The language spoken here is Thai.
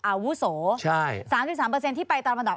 อาวุโส๓๓ที่ไปตามอันดับ